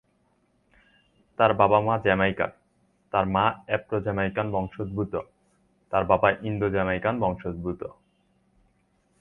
তার বাবা-মা জামাইকার; তার মা আফ্রো-জ্যামাইকান বংশোদ্ভূত, তার বাবা ইন্দো-জামাইকান বংশোদ্ভূত।